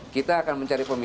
kita akan mencari kemampuan